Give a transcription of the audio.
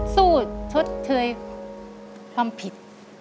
สู้ชดเชยความผิด